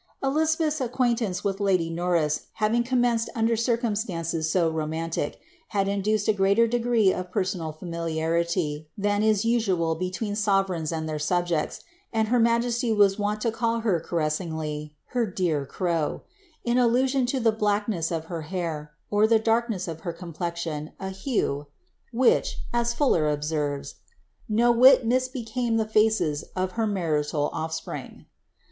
Eliza* beth^s acquaintance with lady Norris having commenced under circum flttnces so romantic, had induced a greater degree of personal familiarity than is usual between sovereigns and their su^ects, and her majesty was woot to call her caressingly ^^ her dear crow," in allusion to the black ness of her hair, or the darkness of her complexion, a hue ^ which," as Fuller observes, ^^ no whit misbecame the faces of her martial ofispring."